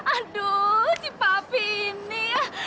aduh si papi ini